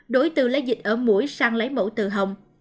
đối từ lấy dịch ở mũi sang lấy mẫu từ hồng